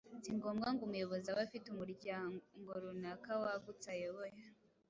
Si ngombwa ngo umuyobozi abe afite umuryango runaka wagutse ayobora.